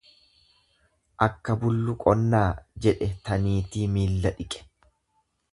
Akka bullu qonnaa jedhe ta niitii miilla dhiqe.